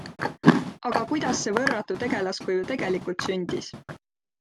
Aga kuidas see võrratu tegelaskuju tegelikult sündis?